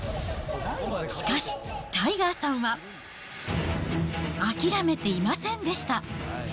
しかし、タイガーさんは諦めていませんでした。